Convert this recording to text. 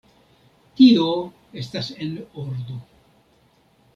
Tio estas en ordo.